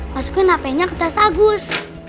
masukin hpnya ke tas agus